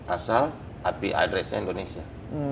asal ip address nya indonesia